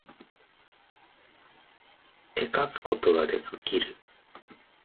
絵描くことができる